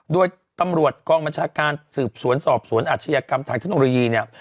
โดยตำรวจกองบัญชาการสืบสวนสอบสวนอาชญากรรมทางเทคโนโลยีเนี่ย